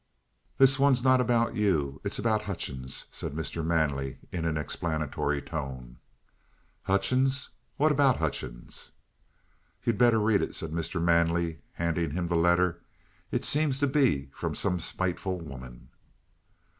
"This one is not about you. It's about Hutchings," said Mr. Manley in an explanatory tone. "Hutchings? What about Hutchings?" "You'd better read it," said Mr. Manley, handing him the letter. "It seems to be from some spiteful woman."